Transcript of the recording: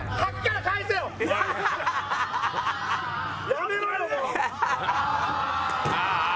やめろよ！